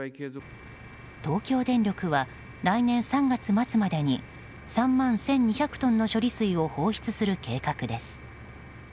東京電力は来年３月末までに３万１２００トンの処理水を放出する計画です。